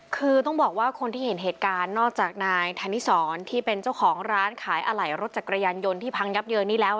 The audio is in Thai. คือต้องบอกว่าคนที่เห็นเหตุการณ์นอกจากนายธนิสรที่เป็นเจ้าของร้านขายอะไหล่รถจักรยานยนต์ที่พังยับเยินนี้แล้ว